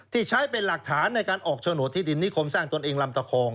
ที่ใช้เป็นหลักฐานในการออกโฉนดที่ดินนิคมสร้างตนเองลำตะคอง